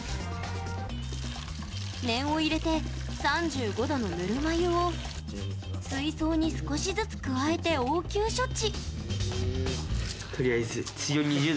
念を入れて、３５度のぬるま湯を水槽に少しずつ加えて応急処置。